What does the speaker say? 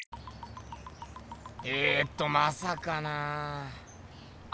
えとまさかなあ。